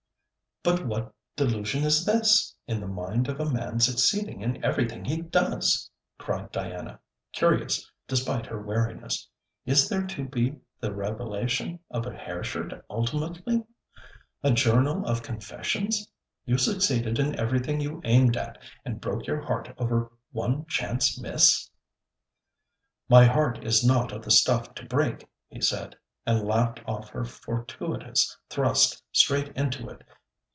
'But what delusion is this, in the mind of a man succeeding in everything he does!' cried Diana, curious despite her wariness. 'Is there to be the revelation of a hairshirt ultimately? a Journal of Confessions? You succeeded in everything you aimed at, and broke your heart over one chance miss?' 'My heart is not of the stuff to break,' he said, and laughed off her fortuitous thrust straight into it.